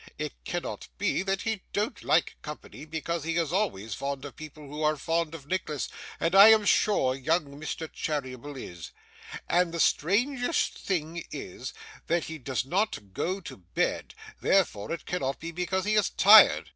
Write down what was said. It cannot be that he don't like company, because he is always fond of people who are fond of Nicholas, and I am sure young Mr Cheeryble is. And the strangest thing is, that he does not go to bed; therefore it cannot be because he is tired.